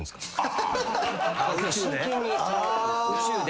宇宙で？